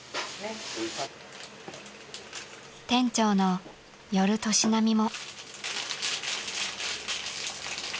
［店長の寄る年波も］